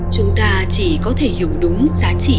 chúng ta chỉ có thể hiểu đúng giá trị